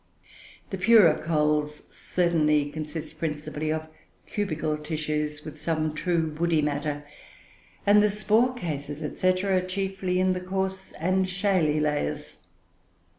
The purer coals certainly consist principally of cubical tissues with some true woody matter, and the spore cases, &c., are chiefly in the coarse and shaly layers.